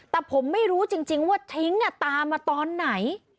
แต่ผมไม่รู้จริงว่าทิ้งตามมาตอนไหน